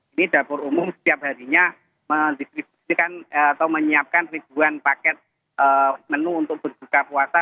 ini dapur umum setiap harinya mendistribusikan atau menyiapkan ribuan paket menu untuk berbuka puasa